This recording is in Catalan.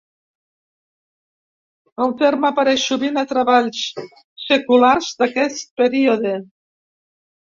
El terme apareix sovint a treballs seculars d'aquest període.